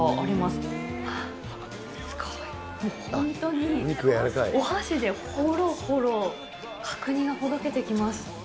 すごい、もう本当にお箸でほろほろ、角煮がほどけていきます。